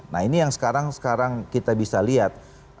nah ini yang sekarang kita bisa lihat